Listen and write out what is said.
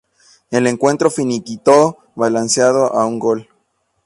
El encuentro finiquitó balanceado a un gol.